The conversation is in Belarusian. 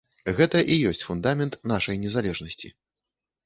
Гэта і ёсць фундамент нашай незалежнасці.